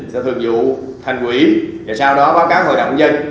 sẽ thường dụ thành quỹ và sau đó báo cáo hội đồng nhân